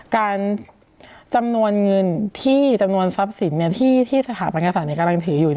จำนวนเงินที่จำนวนทรัพย์สินที่สถาปัญญาศาสตร์กำลังถืออยู่